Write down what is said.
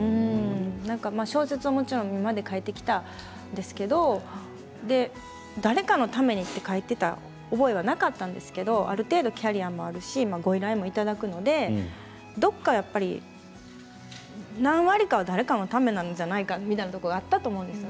小説はもちろん今まで書いてきたんですけれど誰かのために書いていた覚えはなかったんですがある程度キャリアもあるしご依頼もいただくのでどこかやっぱり何割かは誰かのためなんじゃないかなっていうところがあったと思うんです。